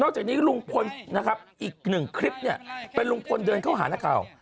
จากนี้ลุงพลนะครับอีกหนึ่งคลิปเนี่ยเป็นลุงพลเดินเข้าหานักข่าว